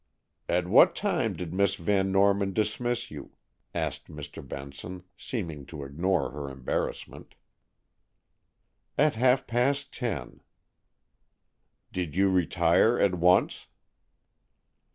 "At what time did Miss Van Norman dismiss you?" asked Mr. Benson, seeming to ignore her embarrassment. "At half past ten." "Did you retire at once?"